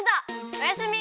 おやすみ。